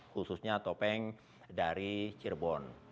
khususnya topeng dari cirebon